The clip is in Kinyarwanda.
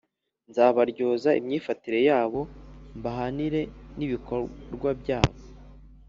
nzabaryoza imyifatire yabo, mbahanire n’ibikorwa byabo.